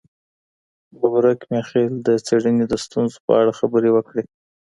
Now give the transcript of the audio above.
ببرک میاخیل د څېړني د ستونزو په اړه خبري وکړې.